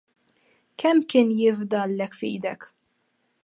Kemm kien jifdallek f'idejk?